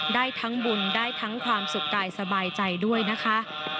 ได้ทั้งบุญได้ทั้งความสุขกายสบายใจด้วยนะคะ